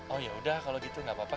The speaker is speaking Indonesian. oh yaudah kalau gitu gak apa apa